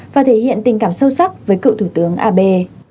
và thể hiện tình cảm sâu sắc với cựu thủ tướng abe